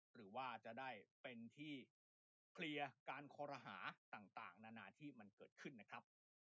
หรือว่าจะได้เป็นที่การเคลียร์การคอรหาต่างนานาที่มันเกิดขึ้นนะครับ